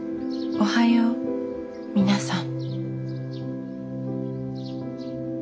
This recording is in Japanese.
おはよう皆さん。